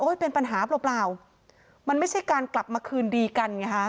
เป็นปัญหาเปล่ามันไม่ใช่การกลับมาคืนดีกันไงฮะ